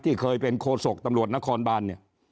ที่เคยเป็นโคศกตำรวจนครบาล